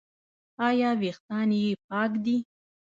ایا ویښتان یې پاک دي؟